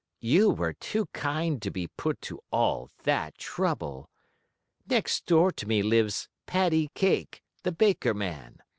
"You were too kind to be put to all that trouble. Next door to me lives Paddy Kake, the baker man.